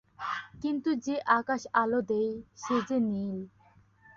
কিন্তু যে আকাশ আলো দেয় সে যে নীল।